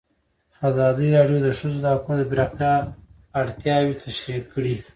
ازادي راډیو د د ښځو حقونه د پراختیا اړتیاوې تشریح کړي.